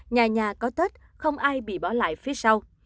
nhà nhà có tết không ai bị bỏ lại phía sau